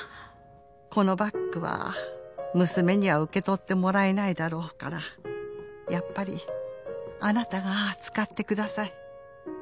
「このバッグは娘には受け取ってもらえないだろうからやっぱりあなたが使ってください」